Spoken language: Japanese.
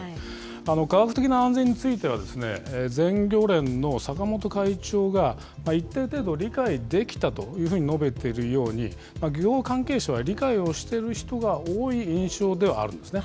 科学的な安全については、全漁連の坂本会長が、一定程度、理解できたというふうに述べているように、漁業関係者は理解している人が多い印象ではあるんですね。